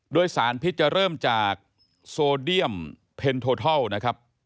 โดยสารพิษจะเริ่มจากโซเดียมเพ็นโททัลนะครับ